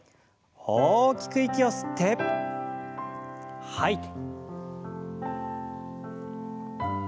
大きく息を吸って吐いて。